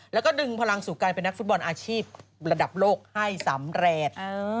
แล้วก็ดึงพลังสู่การเป็นนักฟุตบอลอาชีพระดับโลกให้สำเร็จ